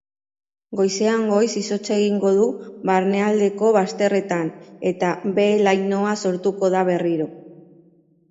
Goizean goiz izotza egingo du barnealdeko bazterretan eta behe-lainoa sortuko da berriro.